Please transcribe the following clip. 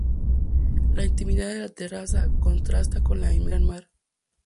La intimidad de la terraza contrasta con la inmensidad del gran mar.